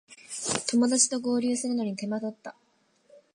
友だちと合流するのに手間取った